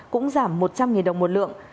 cũng giảm một trăm linh đồng một lượng